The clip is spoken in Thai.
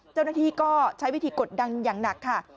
เจ้าหน้าที่ก็ใช้วิธีกดดันอย่างหนักค่ะ